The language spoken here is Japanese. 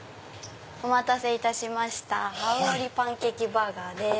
お待たせいたしましたハウオリパンケーキバーガーです。